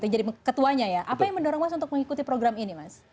jadi ketuanya ya apa yang mendorong mas untuk mengikuti program ini mas